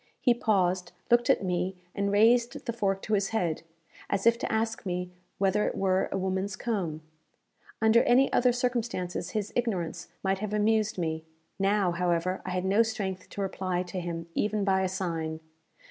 He paused, looked at me, and raised the fork to his head, as if to ask me whether it were a woman's comb. Under any other circumstances his ignorance might have amused me; now, however, I had no strength to reply to him even by a sign.